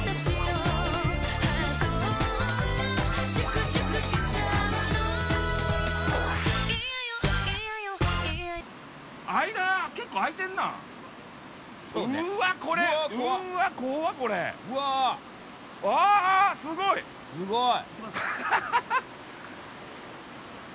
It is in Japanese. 下すごい！